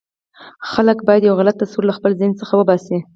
خلک باید یو غلط تصور له خپل ذهن څخه وباسي.